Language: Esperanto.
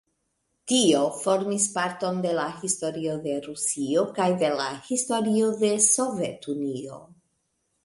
Tio formis parton de la historio de Rusio kaj de la historio de Sovetunio.